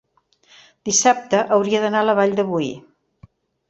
dissabte hauria d'anar a la Vall de Boí.